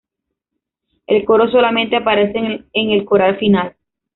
El coro solamente aparece en el coral final.